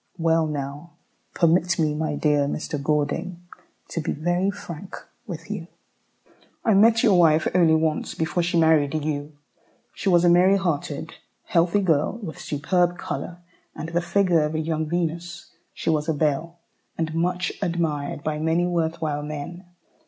Well now permit me, my dear Mr. Gordon, to be very frank with you. I met your wife only once before she married you. She was a merry hearted, healthy girl, with superb colour, and the figure of a young Venus. She was a belle, and much admired by many worth while men.